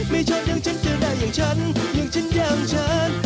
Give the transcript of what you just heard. ไม่ชอบอย่างฉันจะได้อย่างฉันอย่างฉันอย่างฉัน